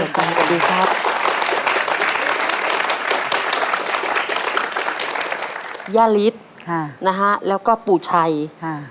สวัสดีครับย่าฤทธิ์ค่ะนะฮะแล้วก็ปู่ชัยค่ะ